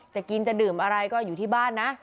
จะกินจะดื่มอะไรก็อยู่ที่บ้านนะ